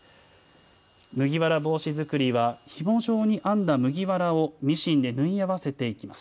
麦わら帽子作りはひも状に編んだ麦わらをミシンで縫い合わせていきます。